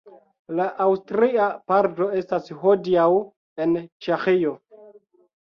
La aŭstria parto estas hodiaŭ en Ĉeĥio.